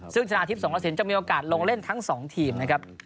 ซึ่งชนะอาทิตย์๒๐๐เซ็นต์จะมีโอกาสลงเล่นทั้ง๒ทีมนะครับ